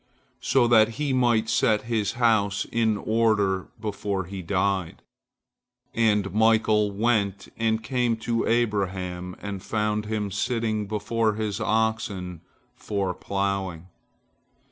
so that he might set his house in order before he died. And Michael went and came to Abraham and found him sitting before his oxen for ploughing.